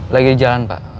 lagi jalan pak